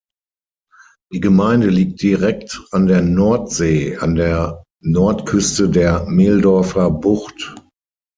Die Gemeinde liegt direkt an der Nordsee an der Nordküste der Meldorfer Bucht.